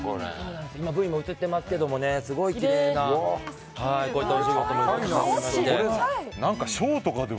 Ｖも映ってますけどすごいきれいで。